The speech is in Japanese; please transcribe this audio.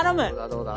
どうだ？